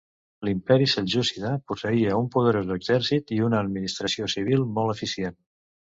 L'imperi seljúcida posseïa un poderós exèrcit i una administració civil molt eficient.